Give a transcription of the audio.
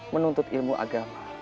menuntut ilmu agama